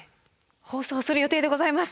放送する予定でございます！